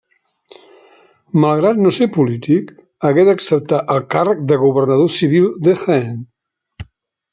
Malgrat no ser polític, hagué d'acceptar el càrrec de governador civil de Jaén.